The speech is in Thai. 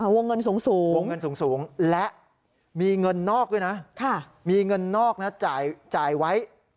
วงเงินสูงและมีเงินนอกด้วยนะมีเงินนอกจ่ายไว้